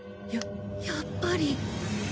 ややっぱり。